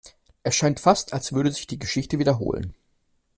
Es scheint fast, als würde sich die Geschichte wiederholen.